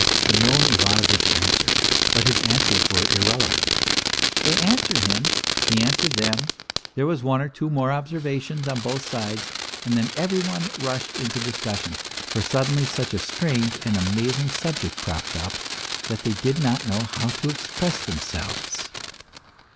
Semyon Ivanovitch answered, but his answers were irrelevant. They answered him, he answered them. There were one or two more observations on both sides and then every one rushed into discussion, for suddenly such a strange and amazing subject cropped up, that they did not know how to express themselves.